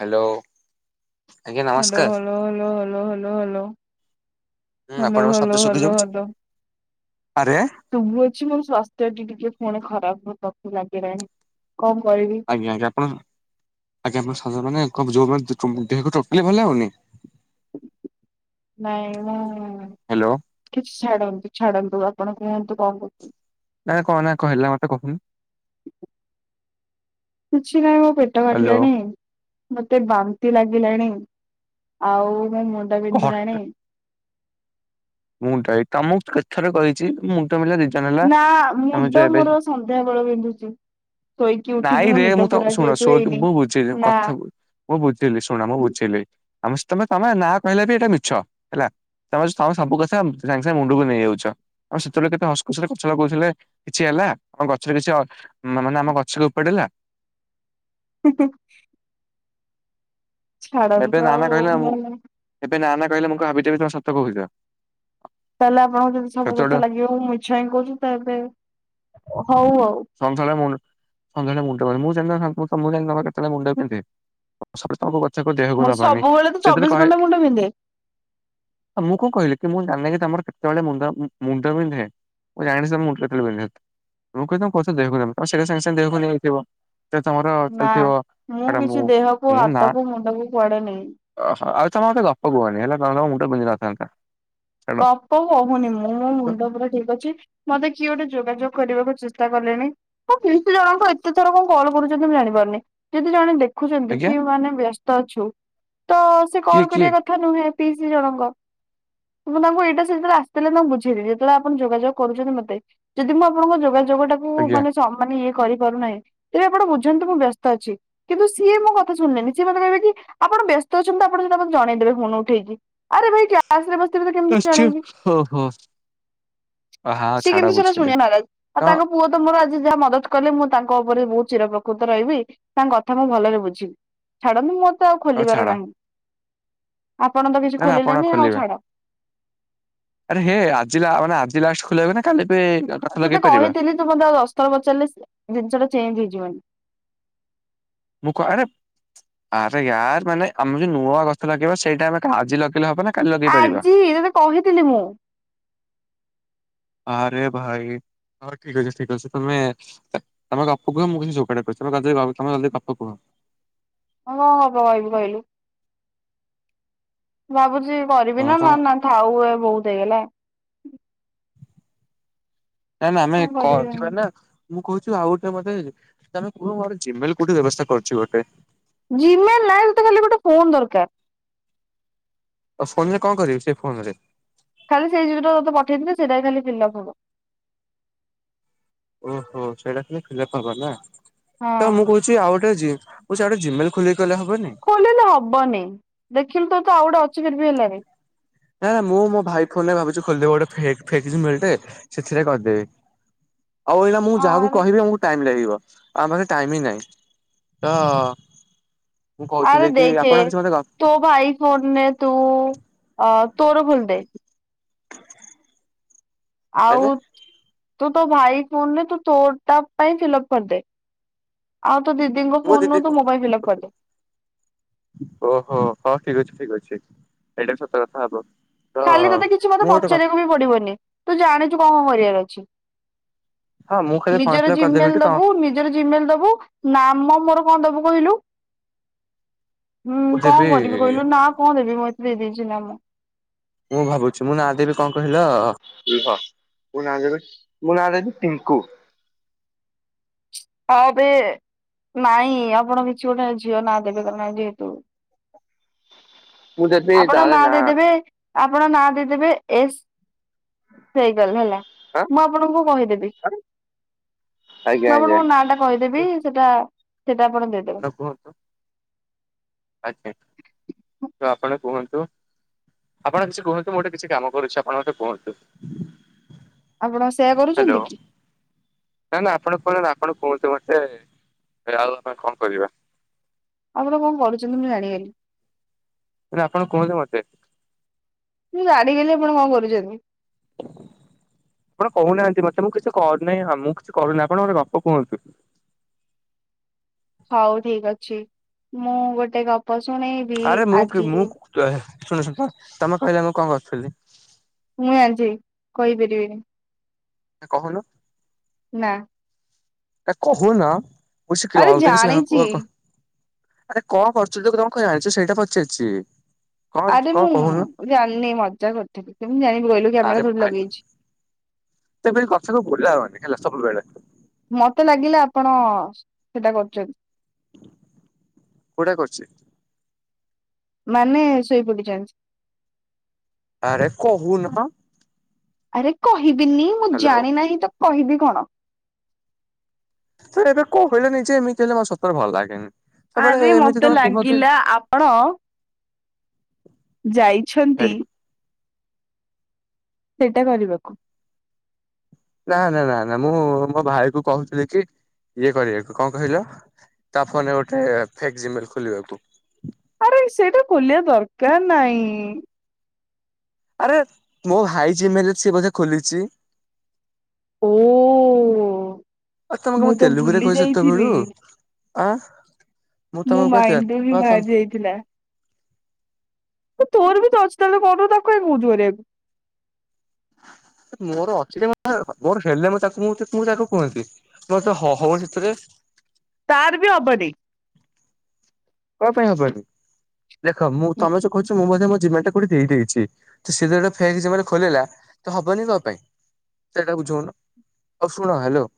Hello. Hello hello hello hello hello hello ହୁଁ hello ଆପଣଙ୍କ ଶବ୍ଦ ହାଲୋ ଶୁଭି ହାଲୋ ଯାଉଛି ହାଲୋ। ଆରେ ଶୁଭୁଚି ମୋ ସ୍ଵାସ୍ଥ୍ୟ ଟିକେ ଟିକେ ପୁଣି ଖରାପ ହେବାକୁ ଲାଗିଲାଣି କଣ କରିବି। ଆଜ୍ଞା ଆଜ୍ଞା ଆପଣ ଆଜ୍ଞା ଆପଣ ସ୍ୱାସ୍ଥ୍ୟମାନେ [unintelligible] ଦେହକୁ ଟୋଟାଲି ଭଲ ଲାଗୁନି? [inaudible] ନାଇଁ ମୁଁ ହ୍ୟାଲୋ କିଛି ଛାଡନ୍ତୁ ଛାଡନ୍ତୁ ଆପଣ କୁହନ୍ତୁ କଣ କହୁଛନ୍ତି। ନାଇଁ କଣ ନା ହେଲା ମତେ କହୁନୁ। କିଛି ନାଇଁ ମୋ ପେଟ ହ୍ୟାଲୋ କାଟିଲାଣି। ମତେ ବାନ୍ତି ଲାଗିଲାଣି ଆଉ ମୋ ମୁଣ୍ଡ କହ ବିନ୍ଧିଲାଣି। ମୁଁ [unintelligible] ତମୁକୁ କେତେଥର କହିଛି ମୁ- [unintelligible] ନା ମୁଣ୍ଡ ମୋର ସନ୍ଧ୍ୟାବେଳୁ ବିନ୍ଧୁଚି। ନାଇଁରେ ମୁଁ ତ ଶୁଣ ଯେହେତୁ ଶୋଇ। [unintelligible] ହେଇନି ନା ମୁଁ ବୁଝିଲି ଶୁଣ ମୁଁ ବୁଝିଲି। ଆମ ତମେ ତମେ ନା କହିଲେ ବି ଏଇଟା ମିଛ ହେଲା। ତମେ ସ ସବୁ କଥା ସାଙ୍ଗେ ସାଙ୍ଗେ ମୁଣ୍ଡକୁ ନେଇଯାଉଚ। ଆମେ ସେତେବେଳେ କେତେ ହସଖୁସିରେ ଗଛ ଲଗଉଥିଲେ କିଛି ହେଲା। ଆମ ଗଛର କିଛି ମାନେ ଆମ ଗଛକୁ ଉପାଡିଲା। [unintelligible] ଏବେ ଛାଡନ୍ତୁ ନା ନା ଆଉ କହିଲେ ମୁଁ ଏବେ ନା ନା କହିଲେ ମୁଁ କଣ ଭାବିଦେବି ତମେ ସତ କହୁଚ। ତାହେଲେ ଆପଣଙ୍କୁ ଯଦି ସବୁ କଥା ଲାଗିବ ମୁଁ ମିଛ ହିଁ କହୁଚି ତାହେଲେ ହଉ ଆଉ। ସନ୍ଧ୍ୟାବେଳେ ମୁ ସନ୍ଧ୍ୟାବେଳେ ମୁଣ୍ଡ ବିନ୍ଧୁଚି। ମୁଁ ସେନ୍ତି [unintelligible] ମୁଣ୍ଡ ବିନ୍ଧେ। ସମସ୍ତଙ୍କ କଥାକୁ ଦେହକୁ ମୋର ନବାନି। ସବୁବେଳେ ତ ସେ ଯଦି ଚବିଶ କହେ ଘଣ୍ଟା ମୁଣ୍ଡ ବିନ୍ଧେ ଆ ମୁଁ କଣ କହିବି? କି ମୁଁ ଜାଣିନି କି ତମର କେତବଳେ ମୁଣ୍ଡ, ମୁଣ୍ଡ ବିନ୍ଧେ। ମୁଁ ଜାଣିିଚି ତମ ମୁଣ୍ଡ କେତେବେଳେ ବିନ୍ଧେ। ମୁଁ କହି ତମ ପଛେ ଦେହକୁ ନବ, ତମେ ସଙ୍ଗେ, ସଙ୍ଗେ ଦେହକୁ ନେଇ ଯାଇଥିବ। ଥିରେ ତମର ନା ଚାଲିଥିବ। ଏଟା କିଛି ମୁଁ, ଦେହକୁ ମୁଁ ନା ହାତକୁ ମୁଣ୍ଡକୁ କୁଆଡେ ନେଇନି। ଅ ହ ଆଉ ତମେ ଗପ କୁହନି ହେଲା। ନହେଲେ ତମ ମୁଣ୍ଡ ବିନ୍ଧି ନଥାନ୍ତା। ଛାଡ। ଗ ପ କହୁନି ମୁଁ। ମୋ ମୁଣ୍ଡ ପୁରା ଠିକ୍ ଅଛି। ମତେ କିଏ ଗୋଟେ ଯୋଗାଯୋଗ କରିବାକୁ ଚେଷ୍ଟା କଲେଣି। ମୋ ପିଇଶିି ଜଣଙ୍କ ଏତେଥର କଣ କଲ କରୁଛନ୍ତି ମୁଁ ଜାଣିପାରୁନି। ଯଦି ଜଣେ ଦେ ଦେଖୁଛନ୍ତି ଆଜ୍ଞା କି ମାନେ ବ୍ୟସ୍ତ ଅଛୁ, ତ ସେ କିଏ କଲ୍ କିଏ କରିବା କଥା ନୁହେଁ ପିଇଶି ଜଣଙ୍କ। ମୁଁ ତାଙ୍କୁ ଏଇଟା ସେ ଯେତେବେଳେ ଆସିଥିଲେ ତାଙ୍କୁ ବୁଝେଇଥିଲି ଯେତେବଳେ ଆପଣ ଯୋଗାଯୋଗ କରୁଛନ୍ତି ମୋତେ ଯଦି ମୁଁ ଆପଣଙ୍କ ଯୋଗାଯୋଗ ଟାକୁ ଆଜ୍ଞା ମାନେ ସ ମାନେ ଇଏ କରିପାରୁନାହିଁ ଇଏ ଆପଣ ବୁଝନ୍ତୁ ମୁଁ ବ୍ୟସ୍ତ ଅଛି। କିନ୍ତୁ ସିଏ ମୋ କଥା ଶୁଣିଲେନି। ସିଏ ମତେ କହିବେ କି ଆପଣ ବ୍ୟସ୍ତ ଅଛନ୍ତି ତ, ଆପଣ ସେଇଟା ମତେ ଜଣେଇଦବେ ଫୋନ୍ ଉଠେଇକି। ଆରେ ଭାଇ କ୍ଲାସ୍ ରେ ବ ନିଶ୍ଚିପ୍, ହଁ ହଁ ସିଏ ଛାଡ କିନ୍ତୁ ସେଇରା ବୁଝିଲି। ଶୁଣିବା ନାରାଜ୍, ଆଉ ହଁ ତାଙ୍କ ପୁଅ ତ ମୋର ଆଜି ଯାହା ମଦତ୍ କଲେ, ମୁଁ ତାଙ୍କ ଉପରେ ବୋହୁତ୍ ଚିରପ୍ରକୃତ ରହିବି। ତାଙ୍କ କଥା ମୁଁ ଭଲରେ ବୁଝିବି। ଛାଡନ୍ତୁ ମୋର ତ ଆଉ ହଉ ଖୋଲିବାର ଛାଡ ନାହିଁ। ଆପଣ ତ କିଛି ନା ନା ଆପଣ ଖୋଲିଲେନି ଆଉ ଖୋଲିବେ ଛାଡ। ଆରେ ହେ ଆଜିି ଲା ମାନେ ଆଜି ଲାଷ୍ଟ ଖୋଲାହେବେ ନା? ତାହେଲେ ଏବେ ତତେ କହିଥିଲି ତୁ ମତେ ଆଉ ଦଶଥର ପଚାରିଲେ ଜିନିଷଟା ଚେଞ୍ଜ ହେଇଯିବନି। ମୁଁ କ ଆରେ, ଆରେ ୟାର ମାନେ ଆମେ ଯୋଉ ନୂଆ ଗଛ ଲଗେଇବା ସେଇଟା ଆମେ ଆଜି ଲଗେଇଲେ ହବ ନା କାଲି ଲଗେଇ ପାରିବା? ଆଜି ତେତେ କହିଥିଲି ମୁଁ। ଆରେ ଭାଇ, ଆରେ ଠିକ୍ ଅଛି, ଠିକ୍ ଅଛି ତମେ ତମେ ଗପ କୁହ ମୁଁ କିଛି ଯୋଗାଡ କରୁଚି, ତମେ ଜଲଦି ଗପ କୁହ। ମୁଁ କଣ ଗପ କହିବି କହିଲୁ? ମୁଁ ଭାବୁଚି କରିବି ହଁ ନା ତମ ନା ନା ଥାଉ ଏ ବୋହୁତ୍ ହେଇଗଲା। ନା ନା ଆମେ କଣ କରିବି କରିବା ନା। ମୁଁ କହୁଚି ଆଉ ଗୋଟେ ମତେ, ତା ମାନେ ତୁ ମୋର ଜିମେଲ୍ କୋଉଠି ବ୍ୟବସ୍ଥା କରୁଚି ଗୋଟେ। ଜିମେଲ୍ ନାଇଁ ତତେ ଖାଲି ଗୋଟେ ଫୋନ୍ ଦରକାର୍। ଆଉ ଫୋନ୍ ରେ କଣ କରିବି, ସେ ଫୋନ୍ ରେ? ଖାଲି ସେଇ ଯୋଉ ଟା ତତେ ପଠେଇଥିଲି ସେଇଟା ଖାଲି ଫିଲ୍ ଅପ୍ ହବ। ଓହୋ ସେଇଟା ଖାଲି ଫିଲପ୍ ହବ ନା? ତ ହଁ ମୁଁ କହୁ ଚି ଆଉ ଗୋଟେ ଅଛି, ମୁଁ ସେଇଟା ଗୋଟେ ଜିମେଲ୍ ଖୋଲିକି କଲେ ହବନି? ଖୋଲିଲେ ହବନି। ଦେଖିଲୁ ତ ତ ଆଉ ଗୋଟେ ଅଛି ଫିର୍ ବି ହେଲାନି। ନା ନା ମୁଁ ମୋ ଭାଇ ଫୋନ୍ ରେ ଭାବୁଛି ଖୋଲିଦେବି ଗୋଟେ ଫେ- ଫେକ୍ ଜିମେଲ୍ ଟେ ସେଥିରେ କରିଦେବି। ଆଉ ଏଇନା ମୁଁ ଯାହାକୁ ଆରେ କହିବି ମୁ ଟାଇମ୍ ଲାଗିବ। ଆ ଆମ ପାଖେ ଟାଇମ୍ ହିଁ ନାହିଁ। ତ ମୁଁ ଆରେ କହୁଥିଲି କି ଦେଖେ ଆପଣ କିଛି ମତେ କ ତୋ ଭାଇ ଫୋନ୍ ରେ ତୁ ତୋର ଖୋଲି ଦେ। ଆଉ ମାନେ ତୁ ତୋ ଭାଇ ଫୋନରେ ତୁ ତୋଟା ପାଇଁ ଫିଲ ଅପ୍ କରିଦେ। ଆଉ ତ ଦି ଦିଦି ଙ୍କ ଫୋନ୍ ରୁ ତୁ ମୋ ପାଇଁ ଫିଲପ୍ କରିଦେ। ଓହୋ। ହଁ ଠିକ୍ ଅଛି, ଠିକ୍ ଅଛି ଏଇଟା ବି ସତ କଥା ହବ। ତ କାଲି ତତେ କିଛି ମତେ ମୁଁ ଗୋଟେ କଥା ପଚାରିବାକୁ ବି ପଡିବନି, ତୁ ଜାଣିଛୁ କଣ କରିବାର ଅଛି। ହଁ ମୁଁ ଖାଲି ଫର୍ମ ନିଜର ଫିଲପ କରିଦେବି ଜିମେଲ୍ ଏଠୁ ତ ଦବୁ, ନିଜର ଜିମେଲ୍ ଦବୁ। ନାମ ମୋର କଣ ଦବୁ କହିଲୁ? ହୁଁ ମୁଁ କଣ ଦେବି କରିବି କହିଲୁ? ନା କଣ ଦେବି? ମୁଁ ଏତେ ଦେଇଦେଇଛି ନାମ ମୁଁ ଭାବୁଛି, ମୁଁ ନା ଆଦେହରେ କଣ କହିଲ, ଲୁହ ମୁଁ ନାଁ ଦେବୀ, ମୁଁ ନାଁ ଦେଇଛି ପିଙ୍କୁ। ହଁ ଏବେ, ନାଇଁ ଆପଣ କିଛି ଗୋଟେ ଝିଅ ନାଁ ଦେବେ। କହିଁ ଯେହେତୁ ମୁଁ ଦେବି ଆପଣ ତାର ନାଁ ଦେଇଦେବେ। ଆପଣ ନାଁ ଦେଇଦେବେ ଏସ୍ ହେଇଗଲା ହେଲା ଆଁ ମୁଁ ଆପଣଙ୍କୁ କହିଦେବି। ଆଜ୍ଞା ମୁଁ ଆଜ୍ଞା ଆପଣଙ୍କ ନାଁ ଟା କହିଦେବି ସେଟା ସେଇଟା ଆପଣ ଦେଇଦେ କୁହନ୍ତୁ। ଆଚ୍ଛା ତ ଆପଣ କୁହନ୍ତୁ। ଆପଣ କିଛି କୁହନ୍ତୁ ମୁଁ ଗୋଟେ କିଛି କାମ କରୁଛି ଆପଣ ମୋତେ କୁହନ୍ତୁ। ଆପଣ ସେୟା କରୁଛନ୍ତି ହ୍ୟାଲୋ କି? ନା ନା ଆପଣ କହିଲେ ନା ଆପଣ କୁହନ୍ତୁ ମୋତେ ଆଉ ଆମେ କଣ କରିବା? ଆପଣ କଣ କରୁଛନ୍ତି ମୁଁ ଜାଣିଗଲି? ନା ଆପଣ କୁହନ୍ତୁ ମୋତେ। ମୁଁ ଜାଣିଗଲି ଆପଣ କଣ କରୁଚନ୍ତି? ଆପଣ କହୁନାହାନ୍ତି ମୋତେ ମୁଁ କିସ କରୁନାହିଁ, ହଁ ମୁଁ କିଛି କରୁନି ଆପଣ ମୋତେ ଗପ କୁହନ୍ତୁ। ହଉ ଠିକ ଅଛି, ମୁଁ ଗୋଟେ ଗପ ଶୁଣେଇ ଆରେ ମୁଁ କି- ମୁଁ ତେ ଶୁଣଛନ୍ତି ତ, ତୋମେ କହିଲେ ମୁଁ କଣ କରୁଥୁଲି? ମୁଁ ଜାଣିଚି କହିପାରିବିନି। ନା କହୁନୁ। ନା। କା କହୁନ ଉ, ସି କି ଆରେ ଅଲଗା କିଛି ହଁ ଜାଣିଛି କୁଅ କହ। ଆରେ କଣ କରୁଛୁ ଯେ କଣ ଖିଆହେଇଛି ସେଇଟା ପଚାରିଚି? ଆରେ ମୁଁ ଜାଣିନି ମଜା କରିଥିଲି, କେମିତି ଜାଣିବି କହିଲୁ କ୍ୟାମେରା ଥଡି ଲଗେଇଛି। ତୋମେ ଏ କଥା ସବୁ ବୁଲାଅନି ହେଲା ସବୁବେଳେ। ମତେ ଲାଗିଲା ଆପଣ ସେଟା କରୁଚନ୍ତି। କୋଉଟା କରିଚି? ମାନେ ଶୋଇପଡିଚନ୍ତ। ଆରେ କହୁନୁ କଣ? ଆରେ କହିବିନି, ମୁଁ ହ୍ୟାଲୋ। ଜାଣି ନାହିଁ ତ କହିବି କଣ। ତୁ ଏବେ କହିଲୁ ନିଜେ ଏମତି ହେଲେ ମୋ ସତରେ ଭଲ ଲାଗେନି। ସବୁବେଳେ ଆରେ ଏମିତି ମୋତେ ତମେ କୁହ କି ଲାଗିଲା ଆପଣ ଯାଇଛନ୍ତି ହେଇ ସେଇଟା କରିବାକୁ। ନା, ନା, ନା ମୁଁ ମୋ ଭାଇ କୁ କହୁଥିଲି କି ଇଏ କରିବାକୁ, କଣ କହିଲ? ତା ଫୋନ୍ ରେ ଗୋଟେ ଫେକ୍ ଜିମେଲ୍ ଖୋଲିବାକୁ। ଆରେ ସେଇଟା ଖୋଲିବା ଦରକାର ନାଇଁ। ଆରେ ମୋ ହାଇ ଜିମେଲ୍ ସିଏ ବୋଧେ ଖୋଲିଚି। ଓ ଅ, ତୋମକୁ ମୁଁ ତ ତେଲୁଗୁ ରେ ଭୁଲି କହେ ଯାଇଥିଲି ସେତବେଳୁ। ଅ, ମୁଁ ମାଇଣ୍ଡୁ ହିଁ ବାହାରି ଯାଇଥିଲା। ଏ ତୋର ବି ତ ଅଛି ତାହେଲେ କଣ ପାଇଁ ତାକୁ କାଇଁ କଉଚୁ କରିବାକୁ। ହେ ମୋର ଅଛି ଯେ ମୋର ମୋର ହେଲେ ମୁଁ ତାକୁ ମୁଁ ତାକୁ କୁହନ୍ତି। ମୋର ତ ହ- ହବ ସେଥିରେ? ତାର ବି ହବନି। କଣ ପାଇଁ ହବନି? ଦେଖ ମୁଁ ତୋମେ ଯେ କହୁଛ ମୁଁ ମଧ୍ୟ ମୋ ଜିମେଲ୍ ଟା କୋଉଠି ଦେଇଦେଛି, ତ ସେଟା ଫେକ୍ ଜିମମେଲ୍ ଖୋଲିଲା ତ ହବନି କଣ ପାଇଁ? ସେଇଟା ବୁଝଉନ ଆଉ ଶୁଣ ହ୍ୟାଲୋ,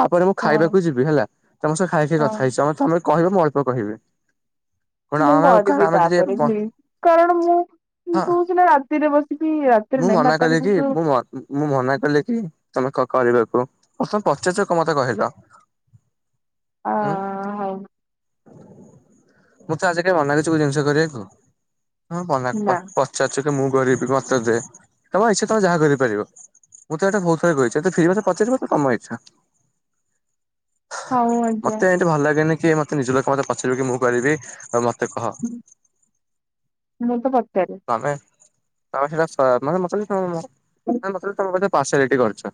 ତାପରେ ମୁଁ କଣ ଖାଇବାକୁ ଯିବି ହେଲା, ତୋମ ସହ ଖାଇ ଖାଇ କଥା ହଁ ହେଇଛି ତୋମେ ତୋମେ କହିବ ମୁଁ ଅଳ୍ପ କହିବି। କଣ ମୁଁ ଆମେ କାରଣ କରିବି ଆମେ ଯଦି ତାପରେ ପ୍ଲି କାରଣ ମୁଁ ମୁଁ ହଁ ତୁ ସିନା ରାତିରେ ବସିବି ଆ ମୁଁ ମନା କଲି କି। ମୁଁ ମନ ମୁଁ, ମୁଁ ମନା କଲି କି ତୋମେ କରିବାକୁ ତୋମେ କ- କରିବାକୁ। ମୋତେ ତୋମେ ପଚାରୁଚ କ ମୋତେ କହିଲ? ହ ହୁଁ ହଉ। ମୁଁ ତ ଆଜି କା ବନାକିଛି କୋଉ ଜିନିଷ କରିବାକୁ ନା [unintelligible] ଇଛା ଅଛ ମୁଁ କରିବି ମତେ ଦେ ତମ ଇଚ୍ଛା ତମେ ଯାହା କରିପାରିବ। ମୁଁ ତ ଏଟା ଭହୁତଥର କହିଛି ଫି [unintelligible] ତମ ଇଛା। ହଉ ଆଜ୍ଞା। ତେ ଭଲ ଲାଗେନି କି ମତେ ନିଜ ଲୋକ ମତେ ପଚାରିବ କି ମୁଁ କରିବି। ମ ହଁ ମୁଁ ତ ପଚାରେ। ତା ସେଟା ମାନେ ମତେ ମତେ ତମ କେ [unintelligible] ଅଛ।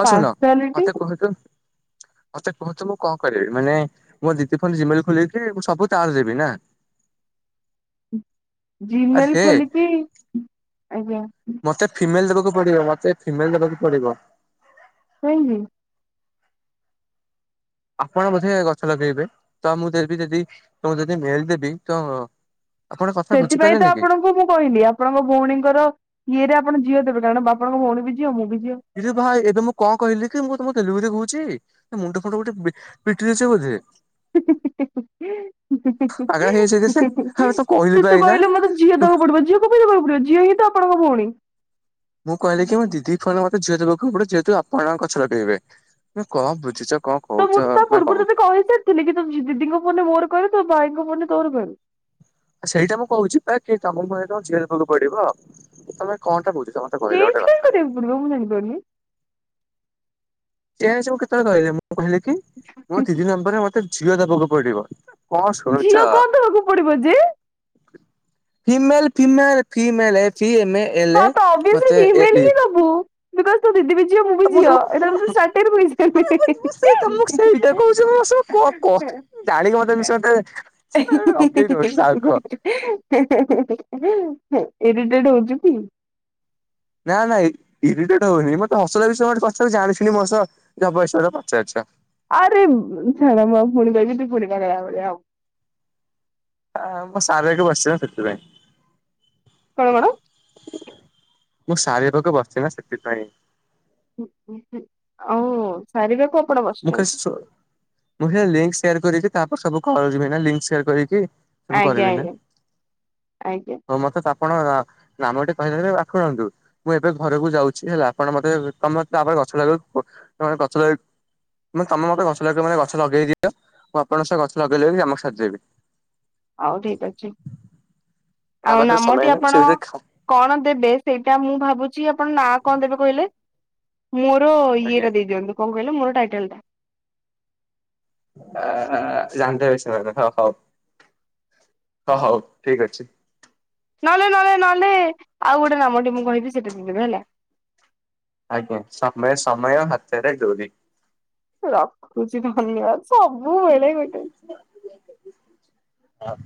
ହଁ [unintelligible] ପାର୍ସଆଲିଟି ମତେ କୁହତୁ ମତେ କୁହତୁ ମୁଁ କଣ କରିବି ମାନେ? ମୋ ଦିିଦି ଫୋନ ଜିମେଲ ଖୋଲିକି ମୁଁ ସବୁ ତାର ଦେବି ନା। ଆରେ ଜିମେଲ ହେ ଖୋଲିକି ଆଜ୍ଞା। ମୋତେ ଫିମେଲ ଦେବାକୁ ପଡିବ ମୋତେ ଫିମେଲ ଦେବାକୁ ପଡିବ। କାଇଁକି। ଆପଣ ବୋଧେ ଗଛ ଲଗେଇବେ ତ ମୁଁ ଦେବି ଯଦି ତ ଯଦି ମେଳିଦେବି ତ ଆପଣ କଥା ସେଥିପାଇଁ ତ ବୁଝିପାରିଲେନି କି ଆପଣଙ୍କୁ ମୁଁ କହିଲି। ଆପଣଙ୍କ ଭଉଣୀଙ୍କର ଇଏରେ ଆପଣ ଝିଅ ଦେବେ କାରଣ ବାପଣଙ୍କ ଭଉଣୀ ଝିଅ ମୁଁ ବି ଝିଅ। ଏବେ ଭାଇ ଏବେ ମୁଁ କଣ କହିଲି କି ମୁଁ ତମକୁ ତେଲୁଗୁରେ କହୁଛି। ମୁଣ୍ଡ ଫୁଣ୍ଡ କୋଉଟି ପିଟି ଦେଇଛ ବୋଧେ। ପାଗଳା ହେଇଯାଇଛି କି ସେ ହଁ ତ କହିଲି ତୁ ପା ତ ଏଇନା କହିଲୁ ମତେ ଝିଅ ଦବ ଗୋ [unintelligible] ପଡିବ ଝିଅ ହିଁ ତ ଆପଣ ଭଉଣୀ। ମୁଁ କହିଲି କି ମୋ ଦିଦି ଫୋନ ମତେ ଝିଅଦବାକୁ ପଡ ଯେତୁ ଆପଣଙ୍କ ଗଛ ଲଗେଇବେ। ତମେ କଣ ବୁଝୁଛ କଣ? ତ କହୁଛ ମୁଁ ତ ତା ମାନେ ପୂର୍ବରୁ କଣ ତତେ କହିସାରିଥିଲି କି ତୁ ଦିଦିଙ୍କ ଫୋନ ମୋରକହିବି ତୋ ଭାଇ ମନ ତୋର କହିଲୁ। ଆ ସେଇଟା ମୁଁ କହୁଛି ବା କି ତମକୁ ମୁହ ତ ଝିଅ ଦେବାକୁ ପଡିବ ତମେ କଣଟା ବୁଝୁଛ ମତେ କହିଲ ଗୋଟେ କଥା। [unintelligible] ପାରୁନି ସେଁ କେତେବେଳେ କହିଲେ ମୁଁ କହିଲି କି ମୋ ତିନି ନମ୍ବରରେ ମତେ ଝିଅ ଦବାକୁ ପଡିବ। କଣ ଶୁଣୁଛ। ଝିଅ କଣ ଦବାକୁ ପଡିବ ଯେ female female female F M A L ହଁ ଏ ତ ଅଭିଅସଲି ମତେ ଫିମେଲ ଏଲି। ହିଁ ଦବୁ। [unintelligible] ତୋ ଦିଦି ବି ଯିବ ମୁଁ ବି ଯଝଅ ଏଇଟା ତ କୁହ କୁହ ଜାଣିକି ମତେ ମିଶ ରଗେଇଉଛି ସାଉ କୁହ। ଇରିଟେଡ ହଉଛି କି। ନା ନାଇଁ ଇରିଟେଡ ହଉନି ମତେ ହସଲ ବିଷୟୋେ କଥା ଜାଣିୁି ମୋ ସହ ଜବରରେ ପଚାରୁଛ। ଆରେ ଛ ପୁଣି ଭିବିି ପୁଣିିବାା ଗ ଭଳିଆ ଆଉ। ହ ମୁଁ ସାରିବାକୁ ବସି ସେଥିପାଇଁ କଣଙ୍ଗୋଡ଼। ମୁଁ ସାରିବା ପାଖକୁ ବସି ନା ସେଥିପାଇଁ ହ ଓ। ସାରିବାକୁ ଆଣ ମୁ ମୁ କରିକି ତାପରେ ସବୁ କର ଭ କରିକି। ସବୁ ଆଜ୍ଞା କରିବି ନା ଆଜ୍ଞା ଆଜ୍ଞା ହଉ ମତେ କଣ ନାମ ଟିକେ କହିଦାରେ ପାଖନ୍ତୁ। ମୁଁ ଏବେ ଘରକୁ ଯାଉଛି ହେଲା ଆପଣ ମତେ ତମପରେ ଗଛ ଲଗକୁେ ଗଛ ଲ ମାନେ ତମ ମତେ ଗଛ ଲଗେଇିବ ମାନେ ଗଛ ଲଗେଇ ଦିଅ ମୁଁ ଆପଣଙ୍କ ସହ ଗଛ ଲଗେଇ ଲଗବି ଆମକୁ ସାଜେଇି। ହଉ ଠିକ ଅଛି ଆମ ଆଉ ପାଖରେ ସମୟ ନାମଟି ନାହିଁ ସେ ଆପଣ। ଭିତରେ ଖା କଣ ଦେବେ ସେଇଟା ମୁଁ ଭାବୁଛି ଆପଣ ନାଁ କଣ ଦେବେ କହିଲେ। ମୁର ଆଜ୍ଞା ରଦଦି ଅ କଙ୍କିଲ ମର ଟାଇଟଲଟେ। ଜାନ୍ତେ ବି ସେମାନେ ହ ହଉ ହ ହଉ ଠିକ ଅଛି। ନହେଲେ ନହେଲେ ନହେଲେ ଆଉ ଗୋଟେ ନାମଟି ମୁଁ କହିବି ସେଟା ଦଦବେ ହେଲା। ଆଜ୍ଞା ସମୟ ସମୟ ହାତରେ ଦୌରି। ରଖୁଛି ଧନ୍ୟବାଦ ସବୁବେଳେ ଗୋଟେ ହଁ।